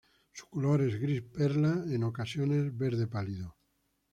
Su color es gris perla, en ocasiones verde pálido.